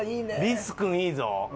ビスくんいいぞ。